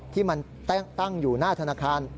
ที่มันตั้งอยู่หน้าธนาคาร